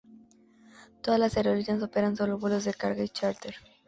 Todas las aerolíneas operan sólo vuelos de carga y charter.